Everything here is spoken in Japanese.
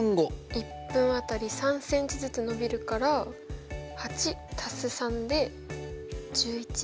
１分当たり３ｃｍずつ伸びるから８＋３で１１。